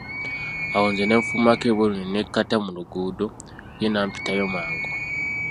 Awo nze ne nfulumako ebweru ne nekkata mu luguudo, ye n'ampitayo mangu.